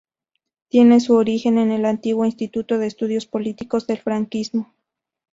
Tiene su origen en el antiguo Instituto de Estudios Políticos del franquismo.